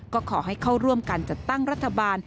ก็ขอให้เข้าร่วมการจัดตั้งรัฐบาล